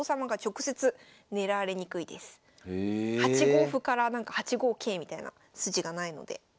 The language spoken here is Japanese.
８五歩から８五桂みたいな筋がないので。